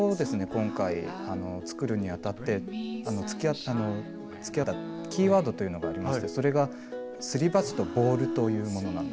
今回作るにあたって突き当たったキーワードというのがありましてそれがすり鉢とボールというものなんですけれども。